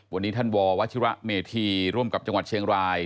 วันนี้ท่านววัชิระเมธีร่วมกับจังหวัดเชียงราย